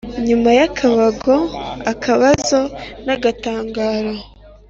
Nyuma y’akabago, akabazo n’agatangaro.